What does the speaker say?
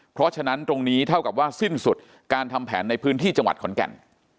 เพราะฉะนั้นตรงนี้เท่ากับว่าสิ้นสุดการทำแผนในพื้นที่จังหวัดขอนแก่น